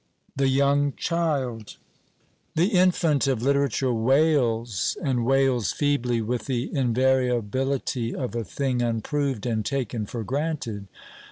THE YOUNG CHILD The infant of literature "wails" and wails feebly, with the invariability of a thing unproved and taken for granted.